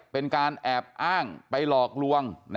เป็นการแอบอ้างไปหลอกลวง